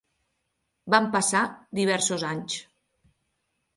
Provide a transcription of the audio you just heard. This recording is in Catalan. Van passar diversos anys.